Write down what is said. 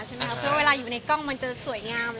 ใช่ไหมครับเพราะว่าเวลาอยู่ในก้งมันจะสวยงาม